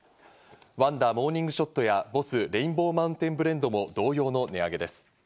「ワンダモーニングショット」や「ボスレインボーマウンテンブレンド」も同様の値上げです。